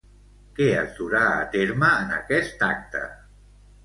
Què es durà a terme en aquest acte?